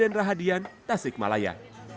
deden rahadian tasik malaya